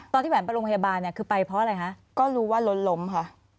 แหวนไปโรงพยาบาลเนี่ยคือไปเพราะอะไรคะก็รู้ว่ารถล้มค่ะ